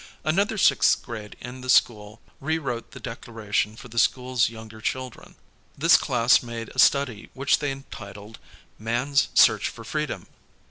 Another sixth grade in the school rew rote the Declaration for the school's younger children. This class made a study which they entitled "Man's Search for Freedom."